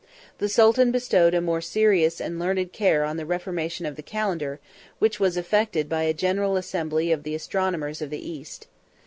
The sultan bestowed a more serious and learned care on the reformation of the calendar, which was effected by a general assembly of the astronomers of the East.